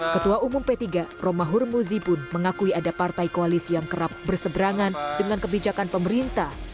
ketua umum p tiga romahur muzi pun mengakui ada partai koalisi yang kerap berseberangan dengan kebijakan pemerintah